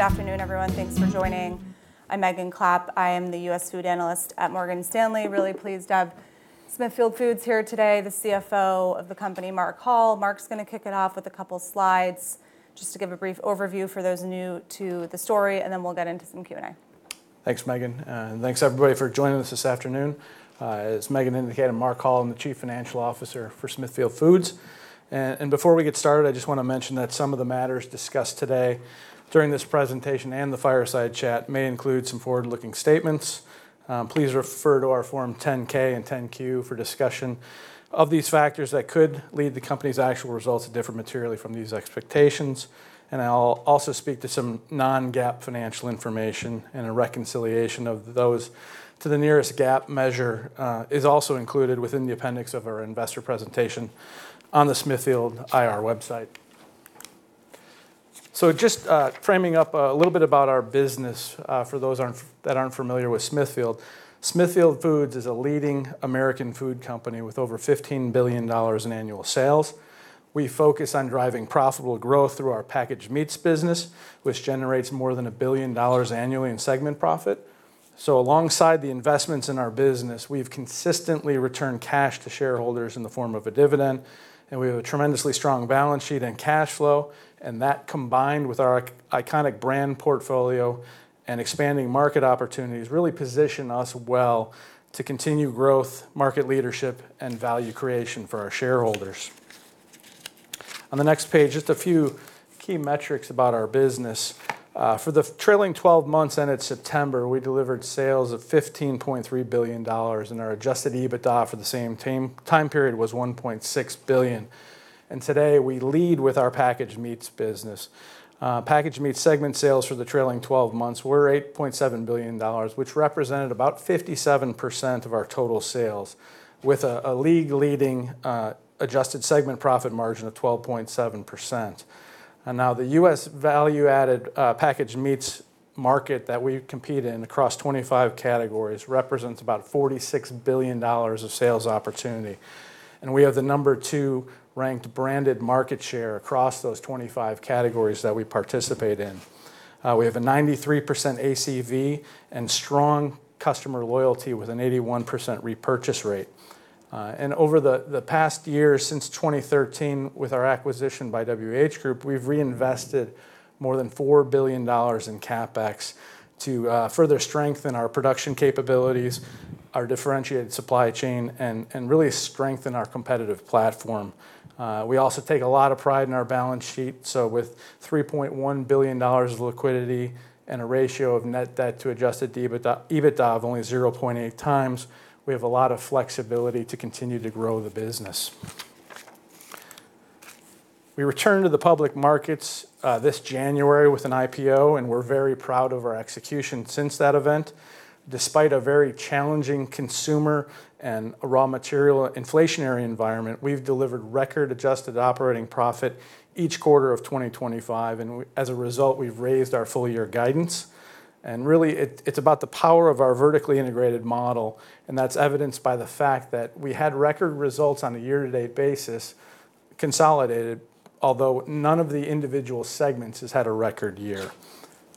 Good afternoon, everyone. Thanks for joining. I'm Megan Clapp. I am the US Food analyst at Morgan Stanley. Really pleased to have Smithfield Foods here today, the CFO of the company, Mark Hall. Mark's going to kick it off with a couple of slides just to give a brief overview for those new to the story, and then we'll get into some Q&A. Thanks, Megan. And thanks, everybody, for joining us this afternoon. As Megan indicated, Mark Hall, I'm the Chief Financial Officer for Smithfield Foods. And before we get started, I just want to mention that some of the matters discussed today during this presentation and the fireside chat may include some forward-looking statements. Please refer to our Form 10-K and 10-Q for discussion of these factors that could lead the company's actual results to differ materially from these expectations. And I'll also speak to some non-GAAP financial information and a reconciliation of those to the nearest GAAP measure is also included within the appendix of our investor presentation on the Smithfield IR website. So just framing up a little bit about our business for those that aren't familiar with Smithfield, Smithfield Foods is a leading American food company with over $15 billion in annual sales. We focus on driving profitable growth through our Packaged Meats business, which generates more than $1 billion annually in segment profit, so alongside the investments in our business, we've consistently returned cash to shareholders in the form of a dividend, and we have a tremendously strong balance sheet and cash flow, and that, combined with our iconic brand portfolio and expanding market opportunities, really positions us well to continue growth, market leadership, and value creation for our shareholders. On the next page, just a few key metrics about our business. For the trailing 12 months ended September, we delivered sales of $15.3 billion, and our Adjusted EBITDA for the same time period was $1.6 billion, and today, we lead with our Packaged Meats business. Packaged Meats segment sales for the trailing 12 months were $8.7 billion, which represented about 57% of our total sales, with a league-leading adjusted segment profit margin of 12.7%. And now, the U.S. value-added Packaged Meats market that we compete in across 25 categories represents about $46 billion of sales opportunity. And we have the number-two ranked branded market share across those 25 categories that we participate in. We have a 93% ACV and strong customer loyalty with an 81% repurchase rate. And over the past year, since 2013, with our acquisition by WH Group, we've reinvested more than $4 billion in CapEx to further strengthen our production capabilities, our differentiated supply chain, and really strengthen our competitive platform. We also take a lot of pride in our balance sheet. So with $3.1 billion of liquidity and a ratio of net debt to Adjusted EBITDA of only 0.8x, we have a lot of flexibility to continue to grow the business. We returned to the public markets this January with an IPO, and we're very proud of our execution since that event. Despite a very challenging consumer and raw material inflationary environment, we've delivered record adjusted operating profit each quarter of 2025. And as a result, we've raised our full-year guidance. And really, it's about the power of our vertically integrated model, and that's evidenced by the fact that we had record results on a year-to-date basis consolidated, although none of the individual segments has had a record year.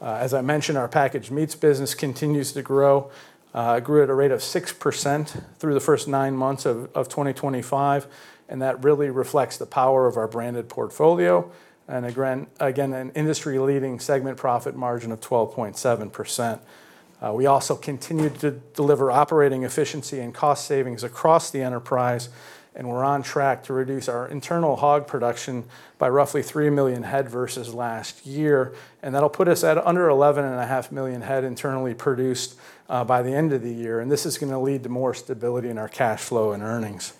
As I mentioned, our Packaged Meats business continues to grow. It grew at a rate of 6% through the first nine months of 2025, and that really reflects the power of our branded portfolio and, again, an industry-leading segment profit margin of 12.7%. We also continue to deliver operating efficiency and cost savings across the enterprise, and we're on track to reduce our Hog Production by roughly three million head versus last year. And that'll put us at under 11.5 million head internally produced by the end of the year. And this is going to lead to more stability in our cash flow and earnings.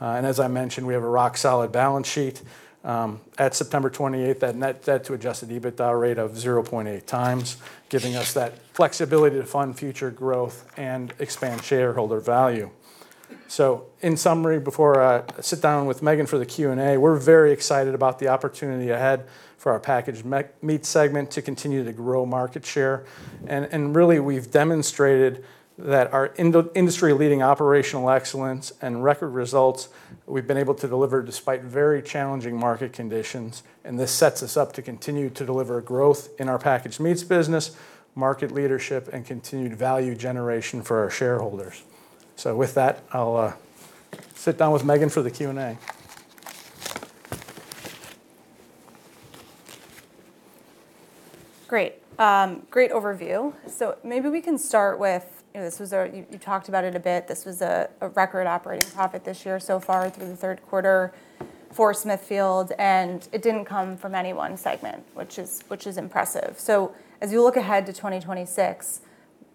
And as I mentioned, we have a rock-solid balance sheet. At September 28, that net debt to Adjusted EBITDA rate of 0.8x gives us that flexibility to fund future growth and expand shareholder value. So in summary, before I sit down with Megan for the Q&A, we're very excited about the opportunity ahead for our Packaged Meats segment to continue to grow market share. And really, we've demonstrated that our industry-leading operational excellence and record results we've been able to deliver despite very challenging market conditions. And this sets us up to continue to deliver growth in our Packaged Meats business, market leadership, and continued value generation for our shareholders. So with that, I'll sit down with Megan for the Q&A. Great. Great overview. So maybe we can start with, you talked about it a bit. This was a record operating profit this year so far through the third quarter for Smithfield, and it didn't come from any one segment, which is impressive. So as you look ahead to 2026,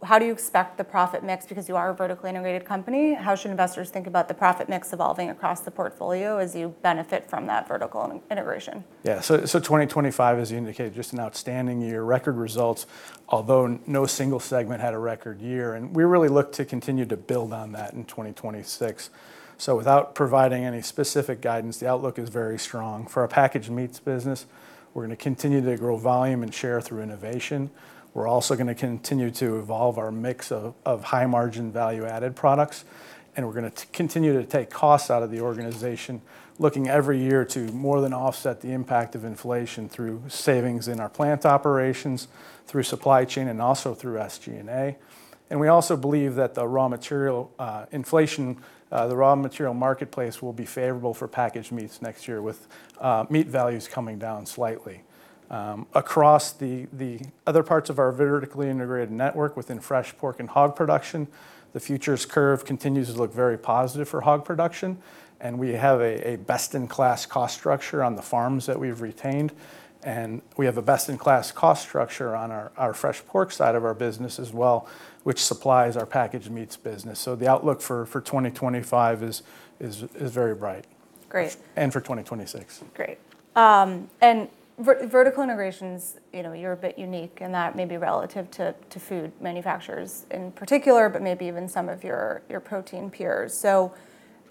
how do you expect the profit mix? Because you are a vertically integrated company, how should investors think about the profit mix evolving across the portfolio as you benefit from that vertical integration? Yeah. So 2025, as you indicated, just an outstanding year, record results, although no single segment had a record year. And we really look to continue to build on that in 2026. So without providing any specific guidance, the outlook is very strong. For our Packaged Meats business, we're going to continue to grow volume and share through innovation. We're also going to continue to evolve our mix of high-margin value-added products, and we're going to continue to take costs out of the organization, looking every year to more than offset the impact of inflation through savings in our plant operations, through supply chain, and also through SG&A. And we also believe that the raw material inflation, the raw material marketplace, will be favorable for Packaged Meats next year, with meat values coming down slightly. Across the other parts of our vertically integrated network within Fresh Pork Hog Production, the futures curve continues to look very positive Hog Production. and we have a best-in-class cost structure on the farms that we've retained. And we have a best-in-class cost structure on our Fresh Pork side of our business as well, which supplies our Packaged Meats business. So the outlook for 2025 is very bright. Great. For 2026. Great. And vertical integrations, you're a bit unique in that maybe relative to food manufacturers in particular, but maybe even some of your protein peers. So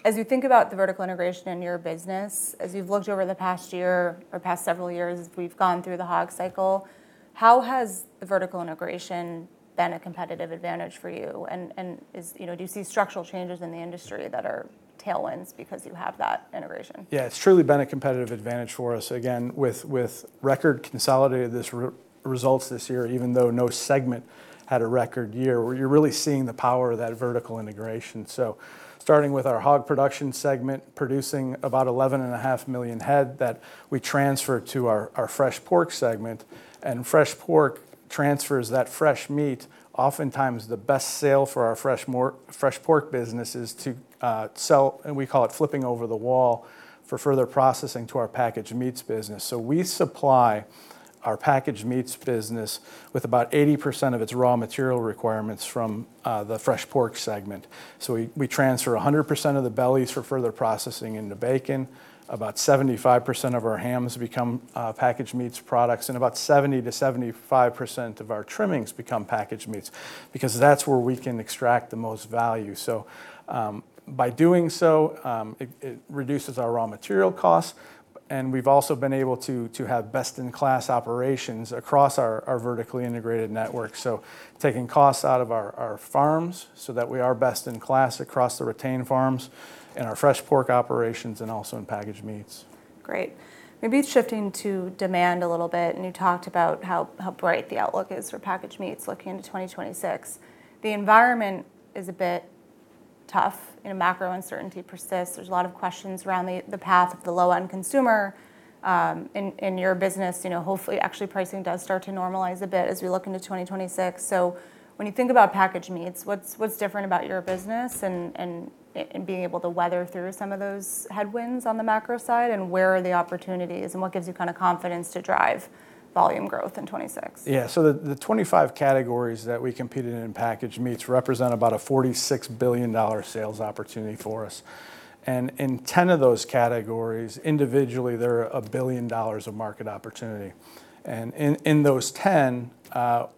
as you think about the vertical integration in your business, as you've looked over the past year or past several years, we've gone through the hog cycle, how has the vertical integration been a competitive advantage for you? And do you see structural changes in the industry that are tailwinds because you have that integration? Yeah, it's truly been a competitive advantage for us. Again, with record consolidated results this year, even though no segment had a record year, you're really seeing the power of that vertical integration. So starting with Hog Production segment, producing about 11.5 million head that we transfer to our Fresh Pork segment. And Fresh Pork transfers that fresh meat. Oftentimes, the best sale for our Fresh Pork business is to sell, and we call it flipping over the wall for further processing to our Packaged Meats business. So we supply our Packaged Meats business with about 80% of its raw material requirements from the Fresh Pork segment. So we transfer 100% of the bellies for further processing into bacon. About 75% of our hams become Packaged Meats products, and about 70%-75% of our trimmings become Packaged Meats because that's where we can extract the most value. So by doing so, it reduces our raw material costs. And we've also been able to have best-in-class operations across our vertically integrated network, so taking costs out of our farms so that we are best in class across the retained farms in our Fresh Pork operations and also in Packaged Meats. Great. Maybe shifting to demand a little bit, and you talked about how bright the outlook is for Packaged Meats looking into 2026. The environment is a bit tough. You know, macro uncertainty persists. There's a lot of questions around the path of the low-end consumer in your business. Hopefully, actually, pricing does start to normalize a bit as we look into 2026. So when you think about Packaged Meats, what's different about your business and being able to weather through some of those headwinds on the macro side? And where are the opportunities? And what gives you kind of confidence to drive volume growth in 2026? Yeah. So the 25 categories that we competed in Packaged Meats represent about a $46 billion sales opportunity for us. And in 10 of those categories, individually, there are $1 billion of market opportunity. And in those 10,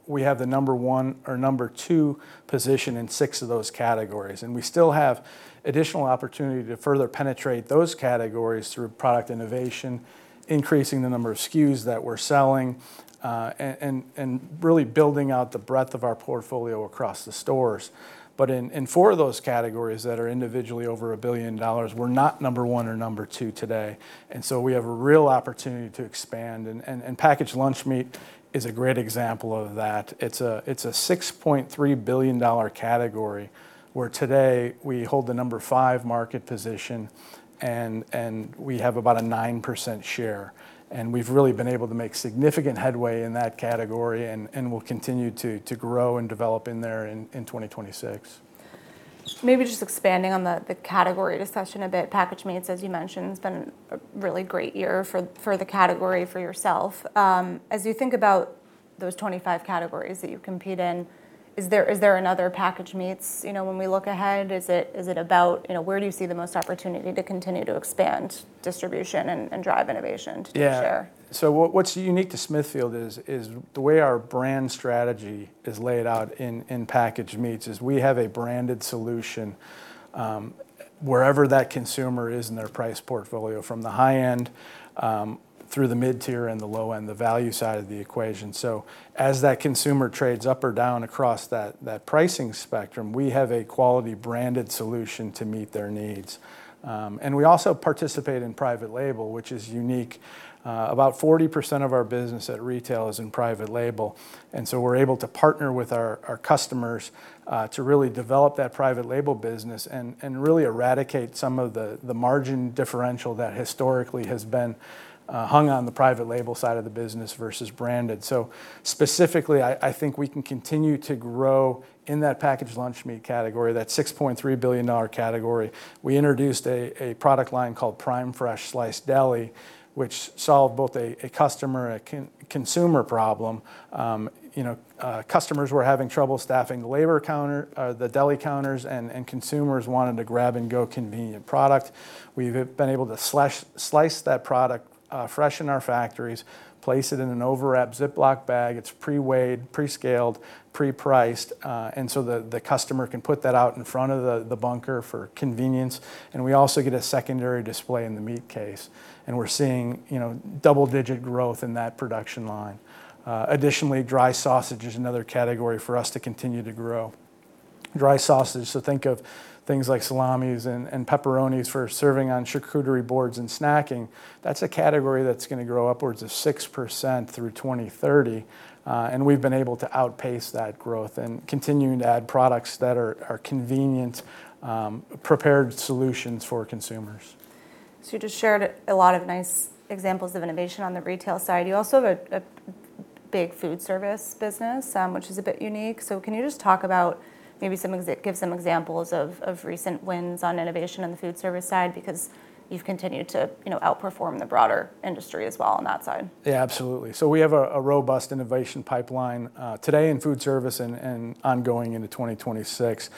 we have the number one or number two position in six of those categories. And we still have additional opportunity to further penetrate those categories through product innovation, increasing the number of SKUs that we're selling, and really building out the breadth of our portfolio across the stores. But in four of those categories that are individually over $1 billion, we're not number one or number two today. And so we have a real opportunity to expand. And packaged lunch meat is a great example of that. It's a $6.3 billion category where today we hold the number five market position, and we have about a 9% share. We've really been able to make significant headway in that category and will continue to grow and develop in there in 2026. Maybe just expanding on the category discussion a bit, Packaged Meats, as you mentioned, has been a really great year for the category for yourself. As you think about those 25 categories that you compete in, is there another Packaged Meats? When we look ahead, is it about where do you see the most opportunity to continue to expand distribution and drive innovation to share? Yeah. So what's unique to Smithfield is the way our brand strategy is laid out in Packaged Meats is we have a branded solution wherever that consumer is in their price portfolio, from the high end through the mid-tier and the low end, the value side of the equation. So as that consumer trades up or down across that pricing spectrum, we have a quality branded solution to meet their needs. And we also participate in private label, which is unique. About 40% of our business at retail is in private label. And so we're able to partner with our customers to really develop that private label business and really eradicate some of the margin differential that historically has been hung on the private label side of the business versus branded. So specifically, I think we can continue to grow in that packaged lunch meat category, that $6.3 billion category. We introduced a Prime Fresh sliced deli, which solved both a customer and a consumer problem. Customers were having trouble staffing the deli counters, and consumers wanted to grab-and-go convenient product. We've been able to slice that product fresh in our factories, place it in an overwrapped Ziploc bag. It's pre-weighed, pre-scaled, pre-priced, and so the customer can put that out in front of the bunker for convenience. And we also get a secondary display in the meat case. And we're seeing double-digit growth in that production line. Additionally, dry sausage is another category for us to continue to grow. Dry sausage, so think of things like salamis and pepperonis for serving on charcuterie boards and snacking. That's a category that's going to grow upwards of 6% through 2030. And we've been able to outpace that growth and continue to add products that are convenient, prepared solutions for consumers. So you just shared a lot of nice examples of innovation on the retail side. You also have a big foodservice business, which is a bit unique. So can you just talk about maybe give some examples of recent wins on innovation on the foodservice side because you've continued to outperform the broader industry as well on that side? Yeah, absolutely. So we have a robust innovation pipeline today in foodservice and ongoing into 2026.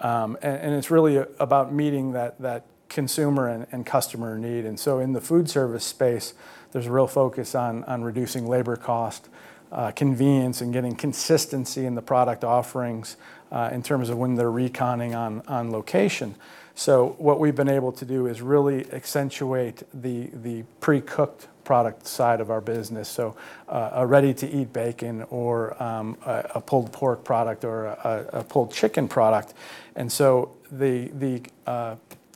And it's really about meeting that consumer and customer need. And so in the foodservice space, there's a real focus on reducing labor cost, convenience, and getting consistency in the product offerings in terms of when they're re-therming on location. So what we've been able to do is really accentuate the pre-cooked product side of our business, so a ready-to-eat bacon or a pulled pork product or a pulled chicken product. And so the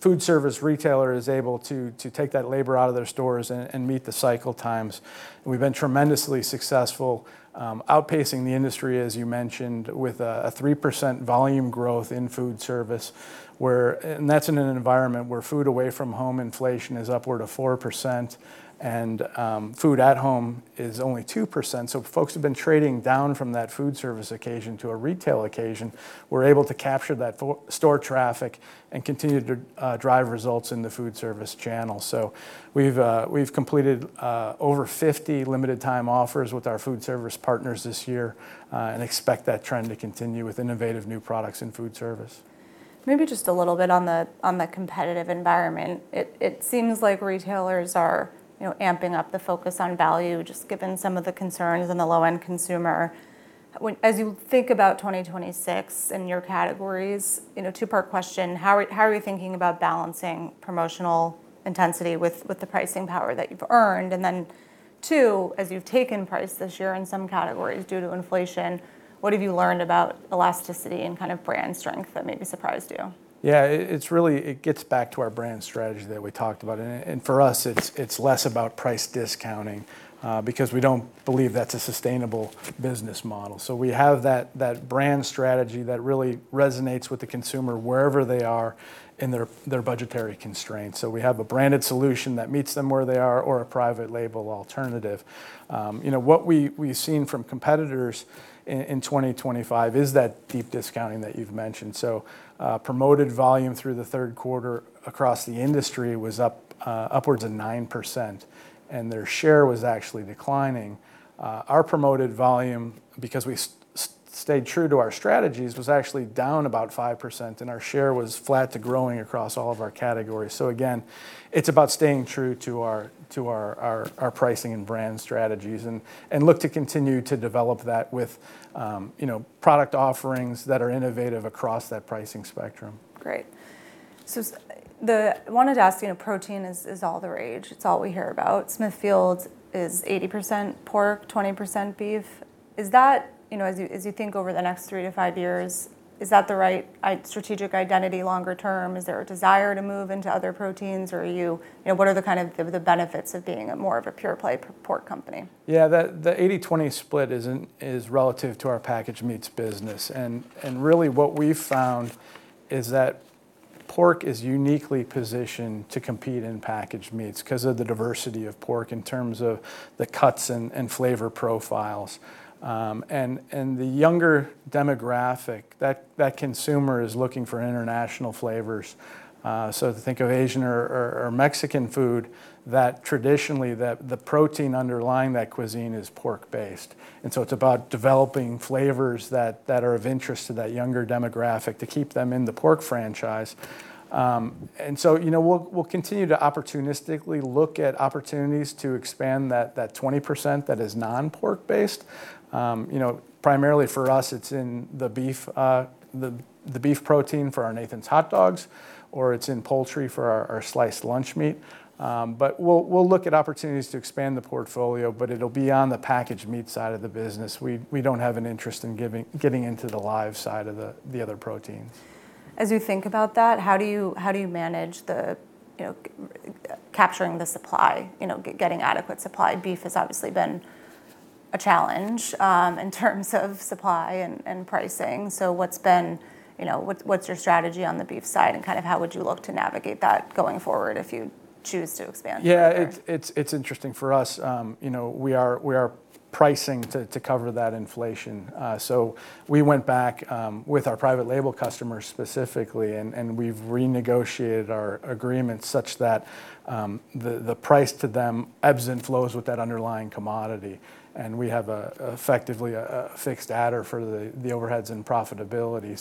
foodservice retailer is able to take that labor out of their stores and meet the cycle times. We've been tremendously successful outpacing the industry, as you mentioned, with a 3% volume growth in foodservice, and that's in an environment where food away from home inflation is upward of 4% and food at home is only 2%. So folks have been trading down from that foodservice occasion to a retail occasion. We're able to capture that store traffic and continue to drive results in the foodservice channel. So we've completed over 50 limited-time offers with our foodservice partners this year and expect that trend to continue with innovative new products in foodservice. Maybe just a little bit on the competitive environment. It seems like retailers are amping up the focus on value, just given some of the concerns in the low-end consumer. As you think about 2026 and your categories, two-part question, how are you thinking about balancing promotional intensity with the pricing power that you've earned? And then two, as you've taken price this year in some categories due to inflation, what have you learned about elasticity and kind of brand strength that maybe surprised you? Yeah, it gets back to our brand strategy that we talked about. And for us, it's less about price discounting because we don't believe that's a sustainable business model. So we have that brand strategy that really resonates with the consumer wherever they are in their budgetary constraints. So we have a branded solution that meets them where they are or a private label alternative. What we've seen from competitors in 2025 is that deep discounting that you've mentioned. So promoted volume through the third quarter across the industry was upwards of 9%, and their share was actually declining. Our promoted volume, because we stayed true to our strategies, was actually down about 5%, and our share was flat to growing across all of our categories. So again, it's about staying true to our pricing and brand strategies and look to continue to develop that with product offerings that are innovative across that pricing spectrum. Great, so I wanted to ask, protein is all the rage. It's all we hear about. Smithfield is 80% pork, 20% beef. As you think over the next three to five years, is that the right strategic identity longer term? Is there a desire to move into other proteins, or what are the kind of benefits of being more of a pure-play pork company? Yeah, the 80/20 split is relative to our Packaged Meats business. And really, what we've found is that pork is uniquely positioned to compete in Packaged Meats because of the diversity of pork in terms of the cuts and flavor profiles. And the younger demographic, that consumer is looking for international flavors. So think of Asian or Mexican food that traditionally the protein underlying that cuisine is pork-based. And so it's about developing flavors that are of interest to that younger demographic to keep them in the pork franchise. And so we'll continue to opportunistically look at opportunities to expand that 20% that is non-pork-based. Primarily for us, it's in the beef protein for our Nathan's hot dogs, or it's in poultry for our sliced lunch meat. But we'll look at opportunities to expand the portfolio, but it'll be on the packaged meat side of the business. We don't have an interest in getting into the live side of the other proteins. As you think about that, how do you manage capturing the supply? Getting adequate supply of beef has obviously been a challenge in terms of supply and pricing. So what's your strategy on the beef side and kind of how would you look to navigate that going forward if you choose to expand? Yeah, it's interesting. For us, we are pricing to cover that inflation. So we went back with our private label customers specifically, and we've renegotiated our agreement such that the price to them ebbs and flows with that underlying commodity. And we have effectively a fixed adder for the overheads and profitability.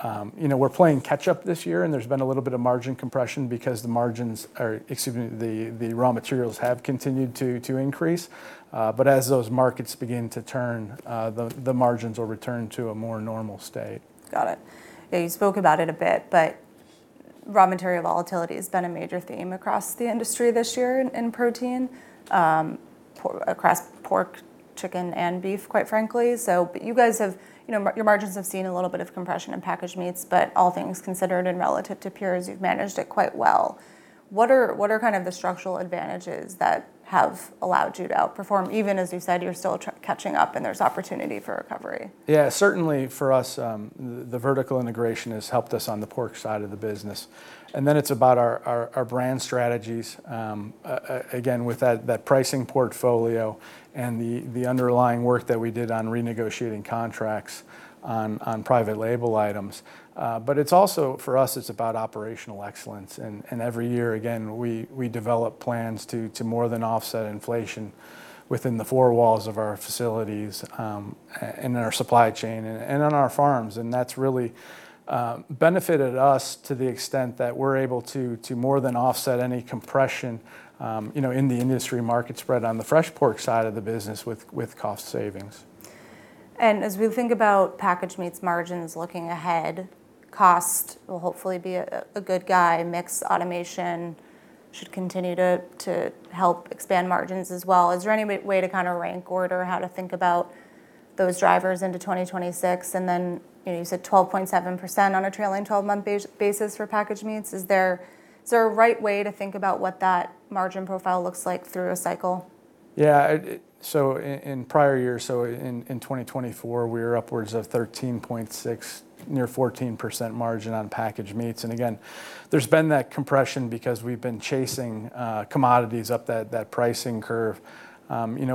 So we're playing catch-up this year, and there's been a little bit of margin compression because the margins or excuse me, the raw materials have continued to increase. But as those markets begin to turn, the margins will return to a more normal state. Got it. Yeah, you spoke about it a bit, but raw material volatility has been a major theme across the industry this year in protein, across pork, chicken, and beef, quite frankly. So your margins have seen a little bit of compression in Packaged Meats, but all things considered and relative to peers, you've managed it quite well. What are kind of the structural advantages that have allowed you to outperform? Even as you said, you're still catching up, and there's opportunity for recovery. Yeah, certainly for us, the vertical integration has helped us on the pork side of the business. And then it's about our brand strategies, again, with that pricing portfolio and the underlying work that we did on renegotiating contracts on private label items. But for us, it's about operational excellence. And every year, again, we develop plans to more than offset inflation within the four walls of our facilities and in our supply chain and on our farms. And that's really benefited us to the extent that we're able to more than offset any compression in the industry market spread on the Fresh Pork side of the business with cost savings. And as we think about Packaged Meats margins looking ahead, cost will hopefully be a good guy. Mixed automation should continue to help expand margins as well. Is there any way to kind of rank order how to think about those drivers into 2026? And then you said 12.7% on a trailing 12-month basis for Packaged Meats. Is there a right way to think about what that margin profile looks like through a cycle? Yeah. So in prior years, so in 2024, we were upwards of 13.6%, near 14% margin on Packaged Meats. And again, there's been that compression because we've been chasing commodities up that pricing curve.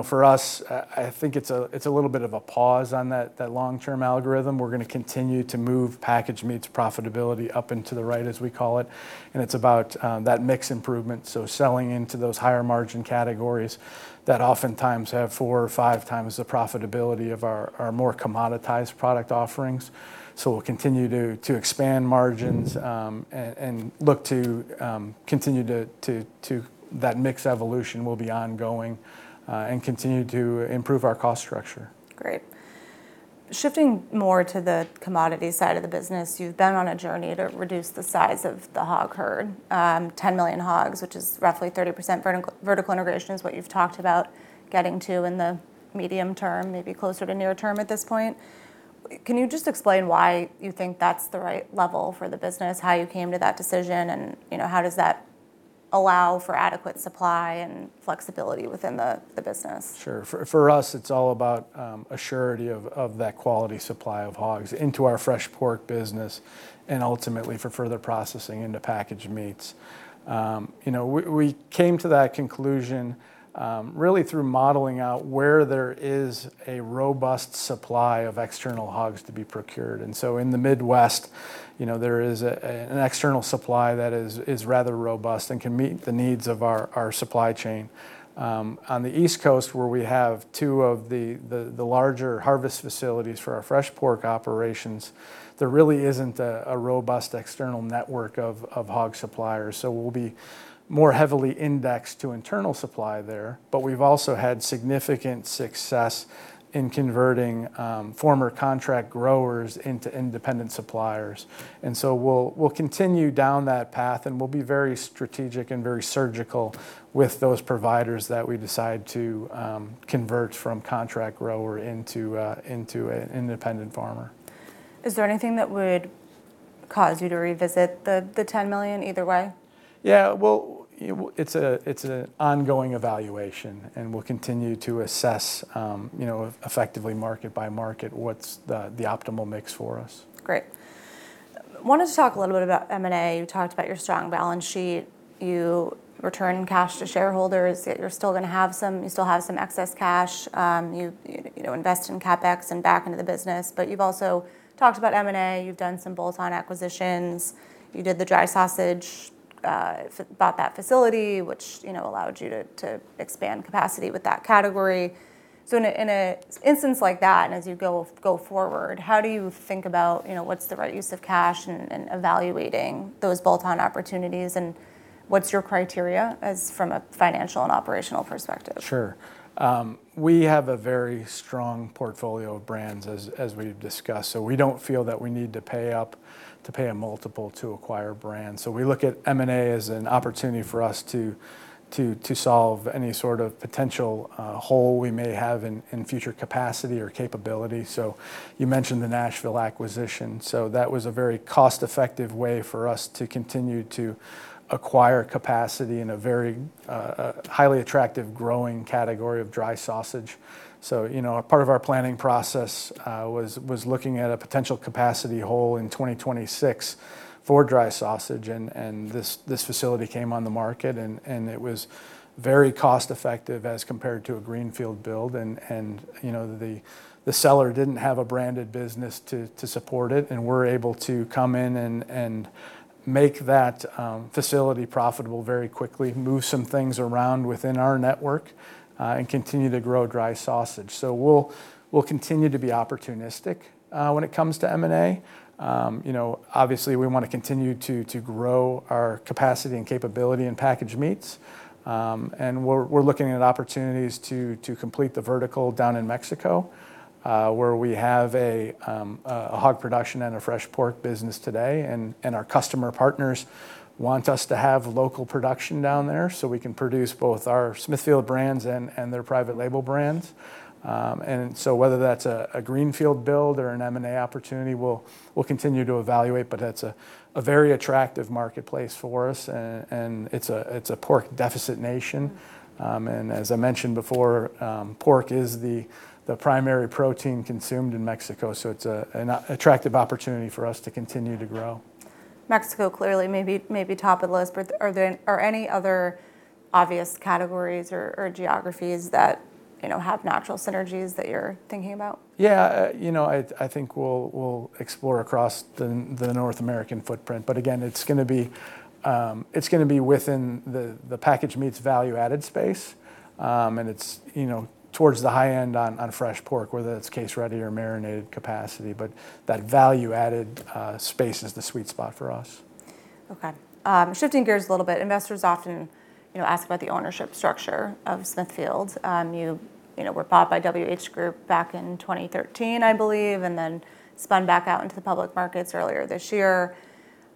For us, I think it's a little bit of a pause on that long-term algorithm. We're going to continue to move Packaged Meats profitability up and to the right, as we call it. And it's about that mix improvement, so selling into those higher margin categories that oftentimes have four or five times the profitability of our more commoditized product offerings. So we'll continue to expand margins and look to continue to that mix evolution will be ongoing and continue to improve our cost structure. Great. Shifting more to the commodity side of the business, you've been on a journey to reduce the size of the hog herd, 10 million hogs, which is roughly 30% vertical integration is what you've talked about getting to in the medium term, maybe closer to near term at this point. Can you just explain why you think that's the right level for the business, how you came to that decision, and how does that allow for adequate supply and flexibility within the business? Sure. For us, it's all about assurance of that quality supply of hogs into our Fresh Pork business and ultimately for further processing into Packaged Meats. We came to that conclusion really through modeling out where there is a robust supply of external hogs to be procured, and so in the Midwest, there is an external supply that is rather robust and can meet the needs of our supply chain. On the East Coast, where we have two of the larger harvest facilities for our Fresh Pork operations, there really isn't a robust external network of hog suppliers, so we'll be more heavily indexed to internal supply there, but we've also had significant success in converting former contract growers into independent suppliers. And so we'll continue down that path, and we'll be very strategic and very surgical with those providers that we decide to convert from contract grower into an independent farmer. Is there anything that would cause you to revisit the 10 million either way? Yeah, well, it's an ongoing evaluation, and we'll continue to assess effectively market by market what's the optimal mix for us. Great. I wanted to talk a little bit about M&A. You talked about your strong balance sheet. You return cash to shareholders. You're still going to have some, you still have some excess cash. You invest in CapEx and back into the business. But you've also talked about M&A. You've done some bolt-on acquisitions. You did the dry sausage, bought that facility, which allowed you to expand capacity with that category, so in an instance like that, and as you go forward, how do you think about what's the right use of cash and evaluating those bolt-on opportunities, and what's your criteria from a financial and operational perspective? Sure. We have a very strong portfolio of brands, as we've discussed. So we don't feel that we need to pay up to pay a multiple to acquire brands. So we look at M&A as an opportunity for us to solve any sort of potential hole we may have in future capacity or capability. So you mentioned the Nashville acquisition. So that was a very cost-effective way for us to continue to acquire capacity in a very highly attractive growing category of dry sausage. So part of our planning process was looking at a potential capacity hole in 2026 for dry sausage. And this facility came on the market, and it was very cost-effective as compared to a greenfield build. And the seller didn't have a branded business to support it. And we're able to come in and make that facility profitable very quickly, move some things around within our network, and continue to grow dry sausage. So we'll continue to be opportunistic when it comes to M&A. Obviously, we want to continue to grow our capacity and capability in Packaged Meats. And we're looking at opportunities to complete the vertical down in Mexico, where we have Hog Production and a Fresh Pork business today. And our customer partners want us to have local production down there so we can produce both our Smithfield brands and their private label brands. And so whether that's a greenfield build or an M&A opportunity, we'll continue to evaluate. But that's a very attractive marketplace for us. And it's a pork-deficit nation. And as I mentioned before, pork is the primary protein consumed in Mexico. It's an attractive opportunity for us to continue to grow. Mexico clearly may be top of the list. Are there any other obvious categories or geographies that have natural synergies that you're thinking about? Yeah, I think we'll explore across the North American footprint. But again, it's going to be within the Packaged Meats value-added space. And it's towards the high end on Fresh Pork, whether that's case-ready or marinated capacity. But that value-added space is the sweet spot for us. Okay. Shifting gears a little bit, investors often ask about the ownership structure of Smithfield. You were bought by WH Group back in 2013, I believe, and then spun back out into the public markets earlier this year.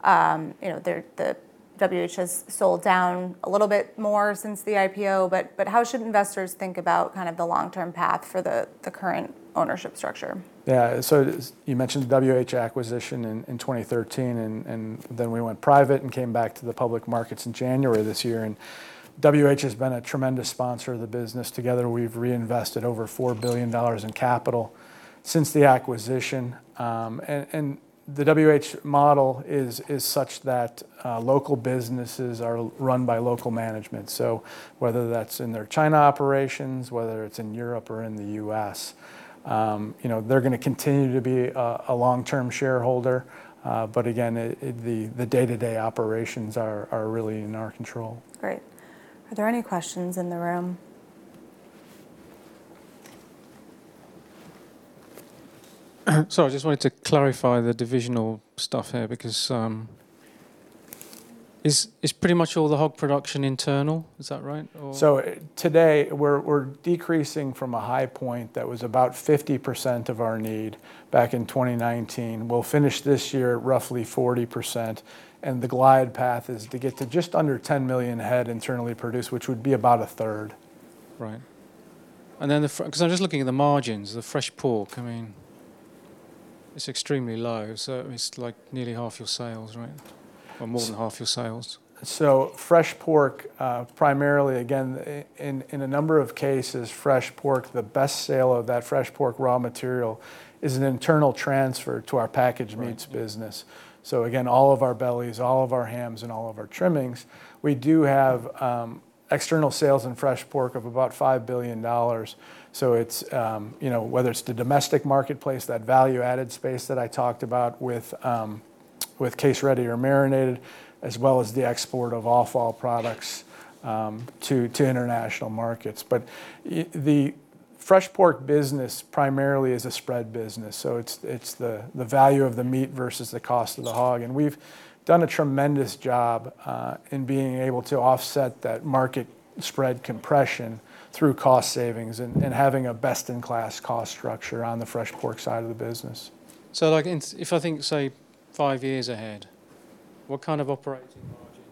The WH has sold down a little bit more since the IPO. But how should investors think about kind of the long-term path for the current ownership structure? Yeah, so you mentioned WH acquisition in 2013, and then we went private and came back to the public markets in January this year, and WH has been a tremendous sponsor of the business. Together, we've reinvested over $4 billion in capital since the acquisition, and the WH model is such that local businesses are run by local management, so whether that's in their China operations, whether it's in Europe or in the U.S., they're going to continue to be a long-term shareholder, but again, the day-to-day operations are really in our control. Great. Are there any questions in the room? I just wanted to clarify the divisional stuff here because it's pretty much all Hog Production internal? Is that right? Today, we're decreasing from a high point that was about 50% of our need back in 2019. We'll finish this year roughly 40%. The glide path is to get to just under 10 million head internally produced, which would be about a third. Right. Because I'm just looking at the margins, the Fresh Pork, I mean, it's extremely low. So it's like nearly half your sales, right? Or more than half your sales. So Fresh Pork, primarily, again, in a number of cases, Fresh Pork, the best sale of that Fresh Pork raw material is an internal transfer to our Packaged Meats business. So again, all of our bellies, all of our hams, and all of our trimmings, we do have external sales in Fresh Pork of about $5 billion. So whether it's the domestic marketplace, that value-added space that I talked about with case-ready or marinated, as well as the export of offal products to international markets. But the Fresh Pork business primarily is a spread business. So it's the value of the meat versus the cost of the hog. And we've done a tremendous job in being able to offset that market spread compression through cost savings and having a best-in-class cost structure on the Fresh Pork side of the business. So if I think, say, five years ahead, what kind of operating margin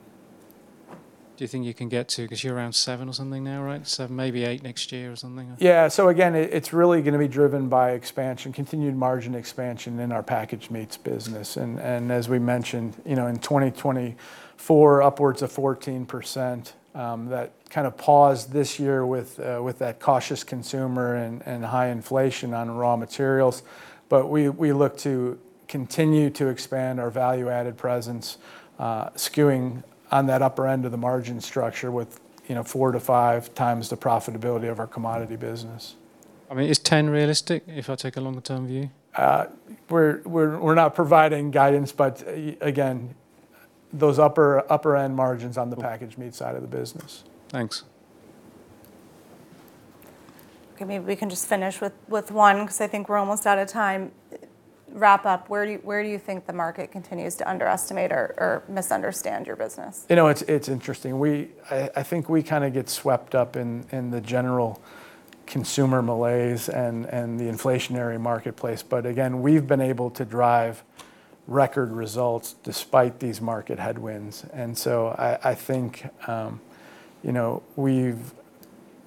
do you think you can get to? Because you're around seven or something now, right? Seven, maybe eight next year or something. Yeah. So again, it's really going to be driven by expansion, continued margin expansion in our Packaged Meats business. And as we mentioned, in 2024, upwards of 14%. That kind of paused this year with that cautious consumer and high inflation on raw materials. But we look to continue to expand our value-added presence, skewing on that upper end of the margin structure with four to five times the profitability of our commodity business. I mean, is 10 realistic if I take a longer-term view? We're not providing guidance, but again, those upper-end margins on the packaged meat side of the business. Thanks. Okay. Maybe we can just finish with one because I think we're almost out of time. Wrap up. Where do you think the market continues to underestimate or misunderstand your business? You know, it's interesting. I think we kind of get swept up in the general consumer malaise and the inflationary marketplace. But again, we've been able to drive record results despite these market headwinds. And so I think we've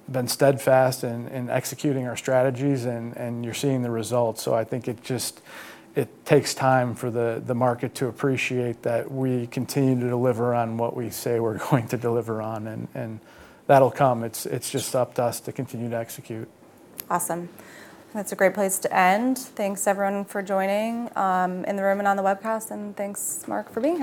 been steadfast in executing our strategies, and you're seeing the results. So I think it takes time for the market to appreciate that we continue to deliver on what we say we're going to deliver on. And that'll come. It's just up to us to continue to execute. Awesome. That's a great place to end. Thanks, everyone, for joining in the room and on the webcast. And thanks, Mark, for being.